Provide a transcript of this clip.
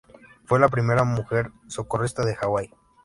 Fue la primera mujer socorrista de Hawái.